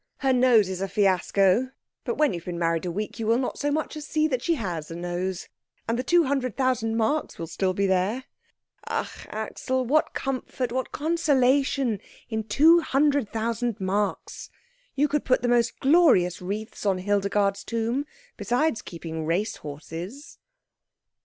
Her nose is a fiasco, but when you have been married a week you will not so much as see that she has a nose. And the two hundred thousand marks will still be there. Ach, Axel, what comfort, what consolation, in two hundred thousand marks! You could put the most glorious wreaths on Hildegard's tomb, besides keeping racehorses."